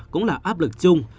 cũng là áp lực chung